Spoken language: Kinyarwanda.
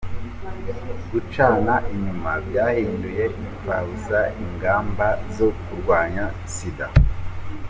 Gucana inyuma byahinduye imfabusa ingamba zo kurwanya Sida